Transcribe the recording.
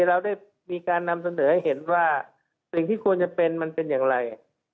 เราได้มีการนำเสนอให้เห็นว่าสิ่งที่ควรจะเป็นมันเป็นอย่างไร